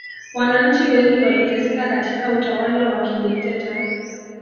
wananchi wengi waliteseka katika utawala wa kidikteta